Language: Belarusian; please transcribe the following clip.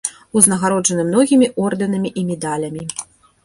Узнагароджаны многімі ордэнамі і медалямі.